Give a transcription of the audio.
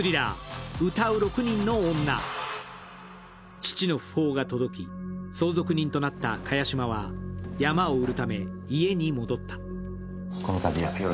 父の訃報が届き、相続人となった萱島は山を売るため、家に戻った。